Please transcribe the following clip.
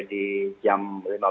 di jam lima belas tiga puluh